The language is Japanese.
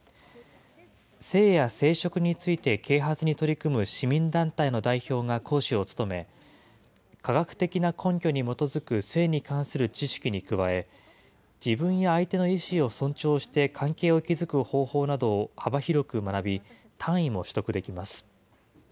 性や生殖について啓発に取り組む市民団体の代表が講師を務め、科学的な根拠に基づく性に関する知識に加え、自分や相手の意思を尊重して関係を築く方法などを幅広く学び、単位も取得できます。